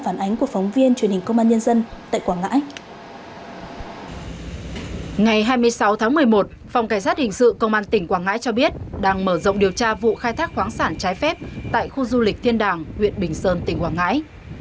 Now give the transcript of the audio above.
thủy thủ công an tỉnh quảng ngãi cho biết đang mở rộng điều tra vụ khai thác khoáng sản trái phép tại khu du lịch thiên đàng huyện bình sơn tỉnh quảng ngãi